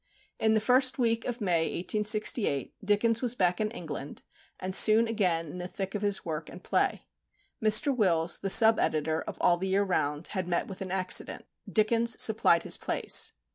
In the first week of May, 1868, Dickens was back in England, and soon again in the thick of his work and play. Mr. Wills, the sub editor of All the Year Round, had met with an accident. Dickens supplied his place.